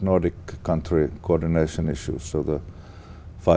hoặc trường hợp xã hội